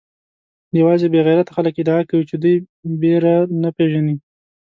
یوازې بې غیرته خلک ادعا کوي چې دوی بېره نه پېژني.